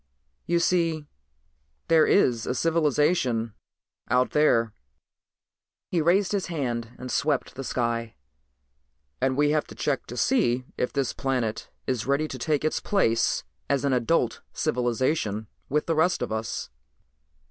You see, there is a civilization out there," he raised his hand and swept the sky, "and we have to check to see if this planet is ready to take its place as an adult civilization with the rest of us.